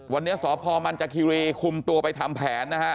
วันนี้สอบภอมันจักรีคลุมตัวไปทำแผนนะฮะ